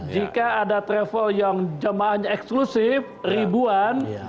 jika ada travel yang jemaahnya eksklusif ribuan